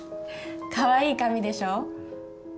かわいい紙でしょ。